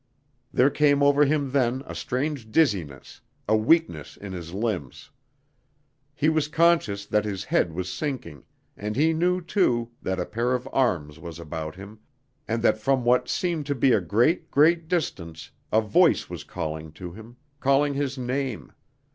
There came over him then a strange dizziness, a weakness in his limbs. He was conscious that his head was sinking, and he knew, too, that a pair of arms was about him, and that from what seemed to be a great, great distance a voice was calling to him, calling his name.